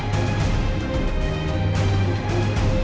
โปรดติดตามต่อไป